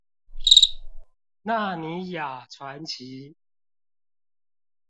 納尼亞傳奇